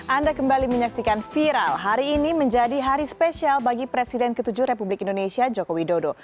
anda kembali menyaksikan viral hari ini menjadi hari spesial bagi presiden ke tujuh republik indonesia joko widodo